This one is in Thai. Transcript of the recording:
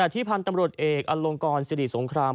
ที่พันธุ์ตำรวจเอกอลงกรสิริสงคราม